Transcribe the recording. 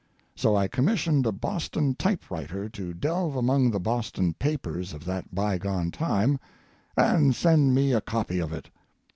So I commissioned a Boston typewriter to delve among the Boston papers of that bygone time and send me a copy of it.